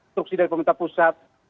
stoksi dari pemerintah pusat